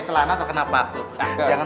jadi gue ikutan juga